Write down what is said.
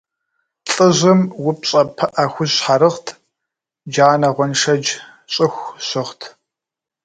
ЛӀыжьым упщӀэ пыӀэ хужь щхьэрыгът, джанэ-гъуэншэдж щӀыху щыгът.